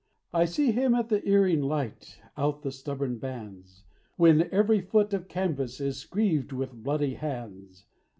I see him at the earing light out the stubborn bands When every foot of canvas is screeved with bloody hands.